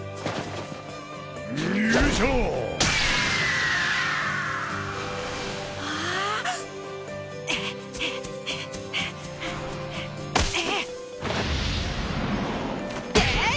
よいしょわあえい！